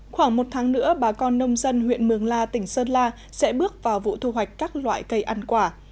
khoảng một tháng nữa bà con nông dân huyện mường la tỉnh sơn la sẽ bước vào vụ thu hoạch các loại cây ăn quả